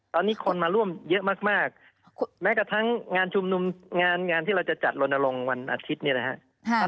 ตอนนี้คนมาร่วมเยอะมากแม้กระทั่งงานชุมนุมงานที่เราจะจัดลนลงวันอาทิตย์เนี่ยนะครับ